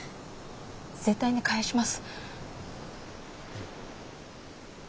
絶対に返します。